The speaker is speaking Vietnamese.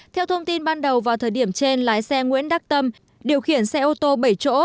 theo thông tin ban đầu vào thời điểm trên lái xe nguyễn đắc tâm điều khiển xe ô tô bảy chỗ